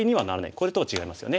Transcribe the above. これとは違いますよね。